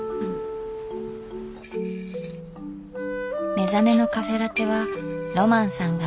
目覚めのカフェラテはロマンさんが手ずから。